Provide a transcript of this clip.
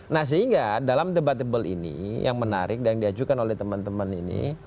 nah sehingga dalam debatable ini yang menarik dan diajukan oleh teman teman ini